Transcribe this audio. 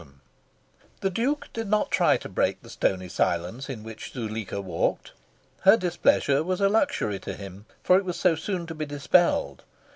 VII The Duke did not try to break the stony silence in which Zuleika walked. Her displeasure was a luxury to him, for it was so soon to be dispelled.